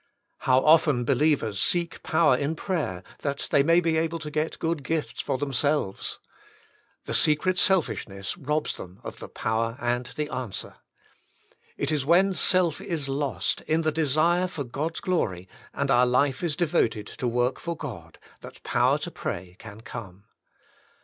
How often believers seek power in prayer, that they may be able to get good gifts for themselves. The secret selfishness robs them of the power and the answer. It is when self is lost in the desire for God's glory, and our life is devoted to work for God, that power to pray can come.